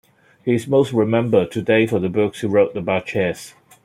He is most remembered today for the books he wrote about chess.